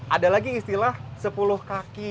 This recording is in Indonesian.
ada lagi istilah sepuluh kaki